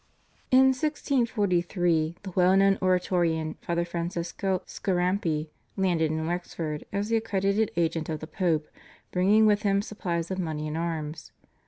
In 1643 the well known Oratorian, Father Francesco Scarampi, landed in Wexford as the accredited agent of the Pope, bringing with him supplies of money and arms.